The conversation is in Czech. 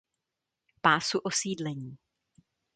Pásu osídlení.